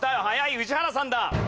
宇治原さんだ。